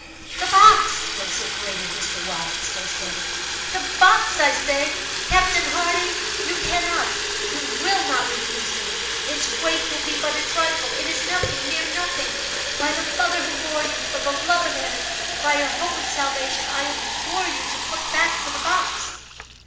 "The box!" vociferated Mr. Wyatt, still standing—"the box, I say! Captain Hardy, you cannot, you will not refuse me. Its weight will be but a trifle—it is nothing—mere nothing. By the mother who bore you—for the love of Heaven—by your hope of salvation, I implore you to put back for the box!"